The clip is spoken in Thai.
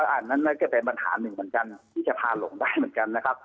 อันนั้นน่าจะเป็นปัญหาหนึ่งเหมือนกันที่จะพาหลงได้เหมือนกันนะครับ